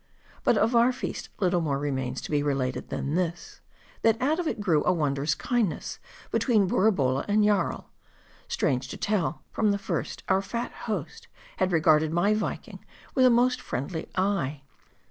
But of our feast, little more remains to be related than this ; that out of it, grew a wondrous kindness between Borabolla and Jarl. Strange to tell, from the first our fat host had regarded my Viking with a most friendly eye.